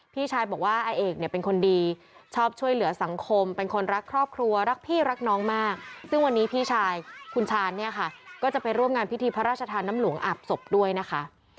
พี่ชายบอกว่าอาเอกเนี่ยเป็นคนดีชอบช่วยเหลือสังคมเป็นคนรักครอบครัวรักพี่รักน้องมากซึ่งวันนี้พี่ชายคุณชาญเนี่ยค่ะก็จะไปร่วมงานพิธีพระราชทานน้ำหลวงอาบศพด้วยนะคะ